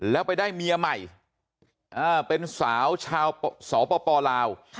แล้วไปได้เมียใหม่เป็นสาวชาวสปลาว